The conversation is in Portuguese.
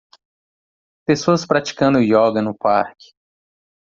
Pessoas praticando ioga no parque.